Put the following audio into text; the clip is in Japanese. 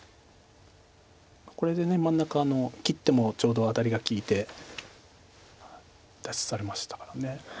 これで真ん中切ってもちょうどアタリが利いて脱出されましたから。